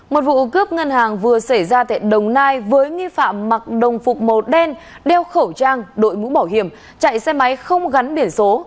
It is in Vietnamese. một vụ cướp ngân hàng vừa xảy ra tại đồng nai với nghi phạm mặc đồng phục màu đen đeo khẩu trang đội mũ bảo hiểm chạy xe máy không gắn biển số